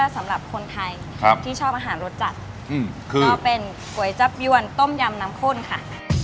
สำหรับคนไทยครับที่ชอบอาหารรสจัดอืมคือต้องเป็นก๋วยจับยวนต้มยำน้ำโค้นค่ะ